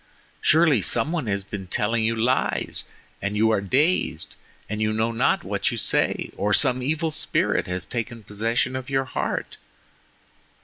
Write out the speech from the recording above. Surely some one has been telling you lies, and you are dazed, and you know not what you say—or some evil spirit has taken possession of YOUR heart.